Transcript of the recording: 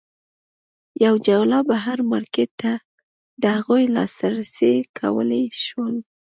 یوه جلا بهر مارکېټ ته د هغوی لاسرسی کولای شول.